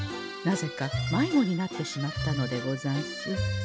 なぜか迷子になってしまったのでござんす。